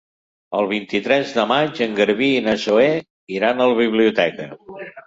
El vint-i-tres de maig en Garbí i na Zoè iran a la biblioteca.